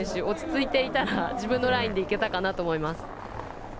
落ち着いていたら自分のラインでいけたかなと思います。